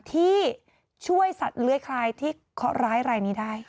ที่ช่วยสัตว์เลื้อยคลายที่เคาะร้ายรายนี้ได้